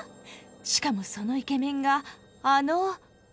しかもそのイケメンがあの。